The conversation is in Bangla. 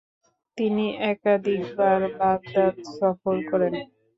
তিনি একাধিকবার বাগদাদ সফর করেন ।